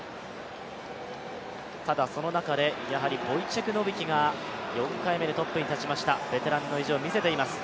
ただその中で、やはりボイチェク・ノビキが４回目でトップに立ちまして、ベテランの意地を見せています。